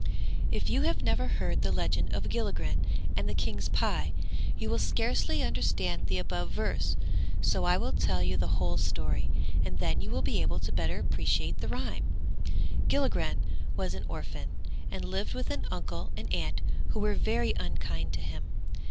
IF you have never heard the legend of Gilligren and the King's pie you will scarcely understand the above verse; so I will tell you the whole story, and then you will be able to better appreciate the rhyme. Gilligren was an orphan, and lived with an uncle and aunt who were very unkind to him.